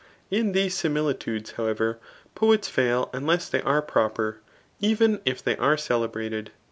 In these similitudes, however, poets fail unless they are proper, even if they are celebrated.